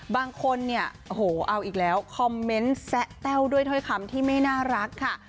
บางคนเนี่ยโอ้โหเอาอีกแล้วคอมเมนต์แซะแต้วด้วยถ้อยคำที่ไม่น่ารักค่ะ